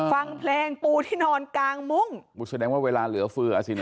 ฟังเพลงปูที่นอนกลางมุ้งแสดงว่าเวลาเหลือเฟืออ่ะสินะ